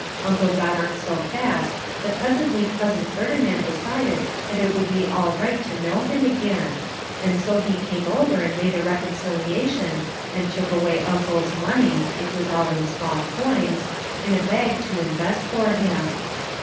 Uncle got on so fast that presently Cousin Ferdinand decided that it would be all right to know him again and so he came over and made a reconciliation and took away Uncle's money, it was all in small coins, in a bag to invest for him.